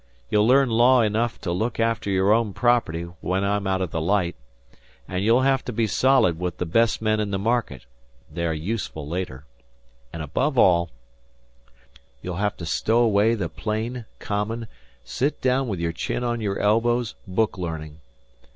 You'll learn law enough to look after your own property when I'm out o' the light, and you'll have to be solid with the best men in the market (they are useful later); and above all, you'll have to stow away the plain, common, sit down with your chin on your elbows book learning.